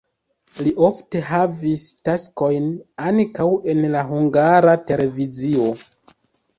Li ofte havis taskojn ankaŭ en la Hungara Televizio.